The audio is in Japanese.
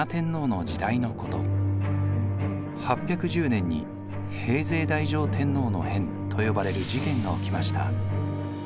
８１０年に平城太上天皇の変と呼ばれる事件が起きました。